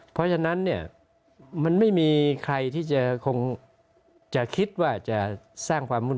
เพราะฉะนั้นเนี่ยมันไม่มีใครที่จะคงจะคิดว่าจะสร้างความวุ่น